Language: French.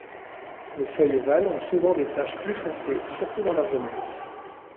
Les feuilles ovales ont souvent des taches plus foncées surtout dans leur jeunesse.